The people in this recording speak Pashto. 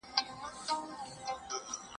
د خوښیو د مستیو ږغ له غرونو را غبرګیږي `